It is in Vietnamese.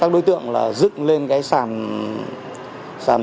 các đối tượng là dựng lên